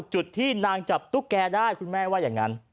จุดที่นางจับตุ๊กแกได้คุณแม่ว่าอย่างนั้น